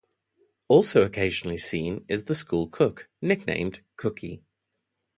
Also occasionally seen is the school cook, nicknamed Cookie.